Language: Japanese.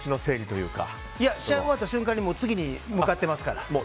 いや、試合終わった瞬間に次に向かってますから。